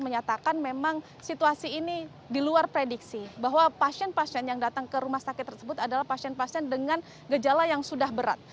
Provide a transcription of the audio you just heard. menyatakan memang situasi ini diluar prediksi bahwa pasien pasien yang datang ke rumah sakit tersebut adalah pasien pasien dengan gejala yang sudah berat